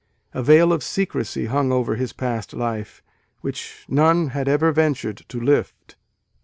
A veil of secrecy hung over his past life, which none had ever ventured to lift.